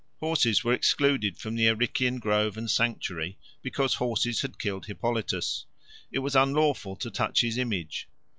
Horses were excluded from the Arician grove and sanctuary because horses had killed Hippolytus. It was unlawful to touch his image.